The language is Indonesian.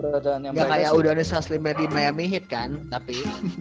gak kayak udonis haslimeddin miami heat kan tapi